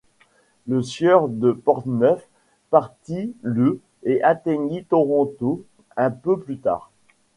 Le Sieur de Portneuf partit le et atteignit Toronto un peu plus tard.